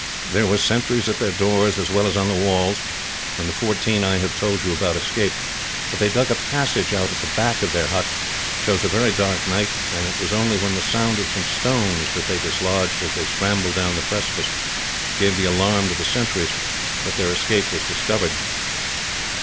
There were sentries at their doors, as well as on the walls, when the fourteen I have told you about escaped; but they dug a passage out at the back of their hut, chose a very dark night, and it was only when the sound of some stones, that they dislodged as they scrambled down the precipice, gave the alarm to the sentries, that their escape was discovered.